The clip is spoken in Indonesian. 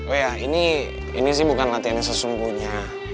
oh iya ini bukan latihan yang sesungguhnya